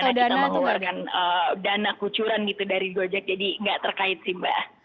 jadi sama sekali tidak ada program charity di mana kita mengeluarkan dana kucuran gitu dari gojek jadi enggak terkait sih mbak